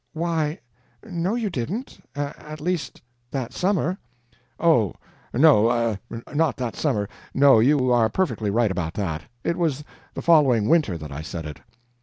"Why, no you didn't! at least that summer." "Oh, no, not that summer. No, you are perfectly right about that. It was the following winter that I said it."